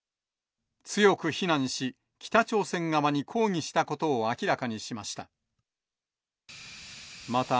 強く非難し、北朝鮮側に抗議したことを明らかにしました。